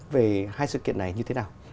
về hai sự kiện này như thế nào